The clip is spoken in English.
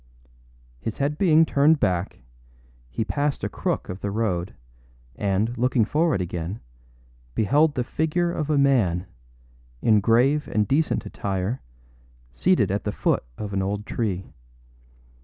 â His head being turned back, he passed a crook of the road, and, looking forward again, beheld the figure of a man, in grave and decent attire, seated at the foot of an old tree.